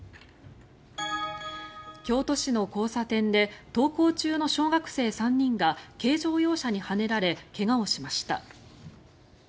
京都市の交差点で登校中の小学生３人が軽乗用車にはねられ怪我をしました。